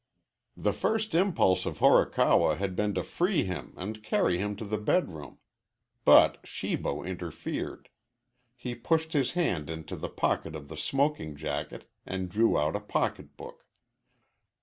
The first impulse of Horikawa had been to free him and carry him to the bedroom. But Shibo interfered. He pushed his hand into the pocket of the smoking jacket and drew out a pocket book.